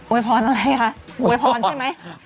วยพรอะไรคะอวยพรใช่ไหม